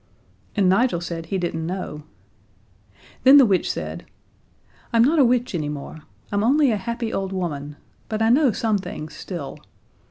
And Nigel said he didn't know. Then the witch said: "I'm not a witch anymore. I'm only a happy old woman, but I know some things still.